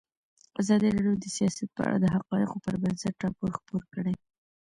ازادي راډیو د سیاست په اړه د حقایقو پر بنسټ راپور خپور کړی.